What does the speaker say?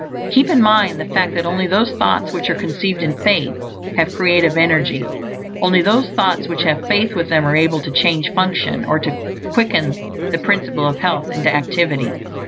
Keep in mind the fact that only those thoughts which are conceived in faith have creative energy. Only those thoughts which have faith with them are able to change function, or to quicken the Principle of Health into activity.